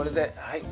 はい。